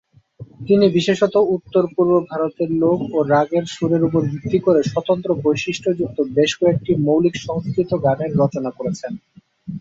তিনি বিশেষত উত্তর-পূর্ব ভারতের লোক ও রাগের সুরের উপর ভিত্তি করে স্বতন্ত্র বৈশিষ্ট্যযুক্ত বেশ কয়েকটি মৌলিক সংস্কৃত গানের রচনা করেছেন।